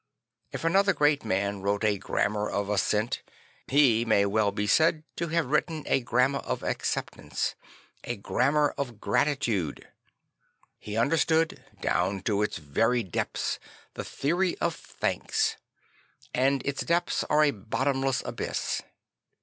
If another great man wrote a gramm3.r of assent, he may well be said to have written a grammar of acceptance; a grammar of gratitude. He understood down to its very depths the theory of thanks; and its depths are a bottomless abyss.